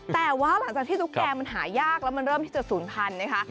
แต่ว่าหลังจากที่ตุ๊กแกมันหายากแล้วมันเริ่มที่จะศูนย์พันธุ์นะคะ